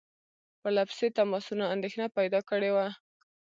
پرله پسې تماسونو اندېښنه پیدا کړې وه.